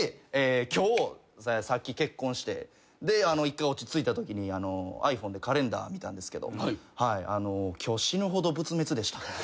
今日さっき結婚して一回落ち着いたときにｉＰｈｏｎｅでカレンダー見たんですけど今日死ぬほど仏滅でした。